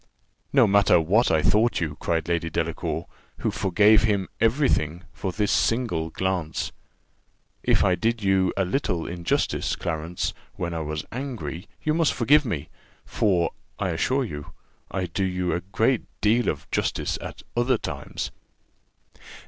"No matter what I thought you," cried Lady Delacour, who forgave him every thing for this single glance; "if I did you a little injustice, Clarence, when I was angry, you must forgive me; for, I assure you, I do you a great deal of justice at other times."